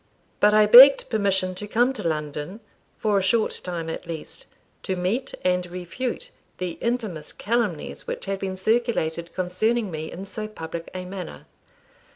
But I begged permission to come to London, for a short time at least, to meet and refute the infamous calumnies which had been circulated concerning me in so public a manner.